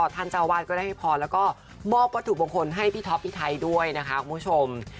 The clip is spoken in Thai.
เจ้าวาดก็ได้ให้พรแล้วก็มอบวัตถุมงคลให้พี่ท็อปพี่ไทยด้วยนะคะคุณผู้ชม